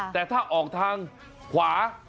แต่ถ้าออกทางขวา